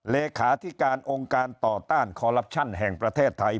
เลขาธิการองค์การต่อต้านคอลลับชั่นแห่งประเทศไทย